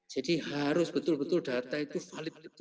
jadi harus betul betul data itu valid